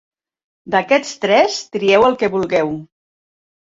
D'aquests tres, trieu el que vulgueu.